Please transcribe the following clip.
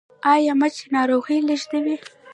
ایا مچ ناروغي لیږدوي؟